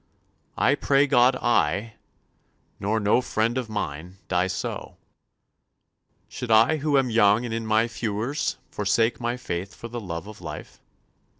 I pray God I, nor no friend of mine, die so. Should I who [am] young and in my fewers [few years?] forsake my faith for the love of life?